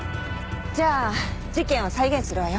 じゃあ事件を再現するわよ。